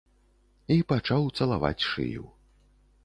І пачаў цалаваць шыю.